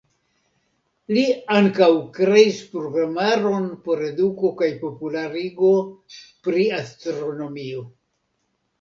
Li ankaŭ kreis programaron por eduko kaj popularigo pri astronomio.